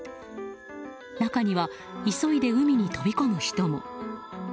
中には急いで海に飛び込む人も。